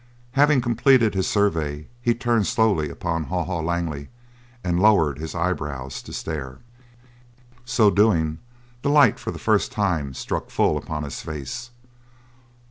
Having completed his survey he turned slowly upon Haw Haw Langley and lowered his eyebrows to stare. So doing, the light for the first time struck full upon his face.